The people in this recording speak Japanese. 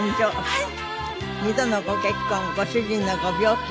はい。